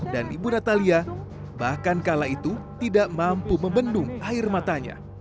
dan ibu natalia bahkan kala itu tidak mampu membendung air matanya